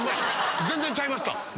全然ちゃいました。